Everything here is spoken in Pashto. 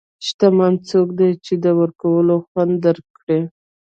شتمن څوک دی چې د ورکولو خوند درک کړي.